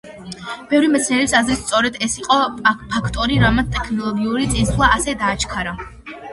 ბევრი მეცნიერის აზრით სწორედ ეს იყო ფაქტორი რამაც ტექნოლოგიური წინსვლა ასე დააჩქარა.